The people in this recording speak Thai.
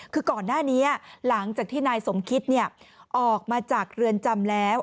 คือก่อนหน้านี้หลังจากที่นายสมคิตออกมาจากเรือนจำแล้ว